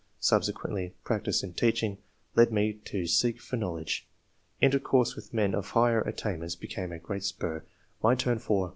Subsequently practice in teaching led me to seek for know ledge. Intercourse with men of higher attain ments became a great spur ; my turn for